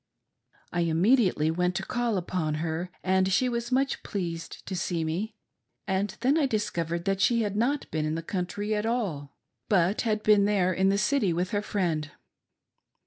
I im mediately went to call upon her, and she was much pleased to see me, and then I discovered that she had not been in the country at all, but had been there in the City with her friend. CARRIES LADY FRIEND.